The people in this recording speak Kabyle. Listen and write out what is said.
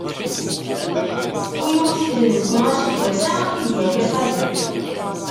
Win ur t-id-newwi aseggas-a, ad t-id-yawi qabel.